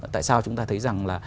tại sao chúng ta thấy rằng là